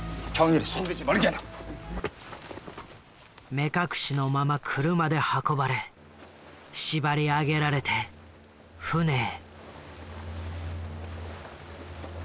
目隠しのまま車で運ばれ縛り上げられて船へ。